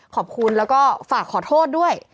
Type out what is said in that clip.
ขอบคุณแล้วก็ฝากขอโทษด้วย